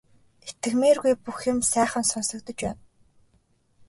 Итгэмээргүй бүх юм сайхан сонсогдож байна.